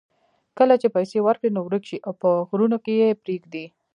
کله چې پیسې ورکړې نو ورک شي او په غرونو کې یې پرېږدي.